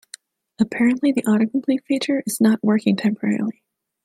Apparently, the autocomplete feature is not working temporarily.